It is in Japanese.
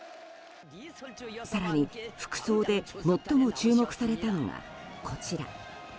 更に服装で最も注目されたのがこちら。